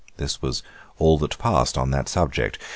This was all that passed on that subject.